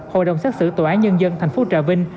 hội đồng xét xử tòa án nhân dân thành phố trà vinh